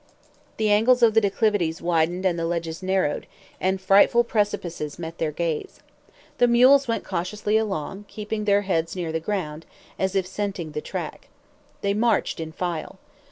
The angles of the declivities widened and the ledges narrowed, and frightful precipices met their gaze. The mules went cautiously along, keeping their heads near the ground, as if scenting the track. They marched in file.